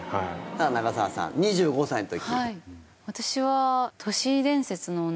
長澤さん２５歳の時。